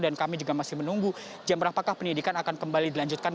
dan kami juga masih menunggu jam berapakah pendidikan akan kembali dilanjutkan